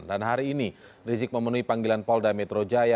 dan hari ini rizik memenuhi panggilan polda metro jaya